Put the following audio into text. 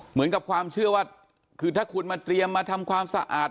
เหมือนกับความเชื่อว่าคือถ้าคุณมาเตรียมมาทำความสะอาด